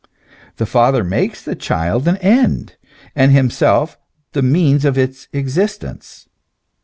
The father makes the child an end, and himself the means of its existence.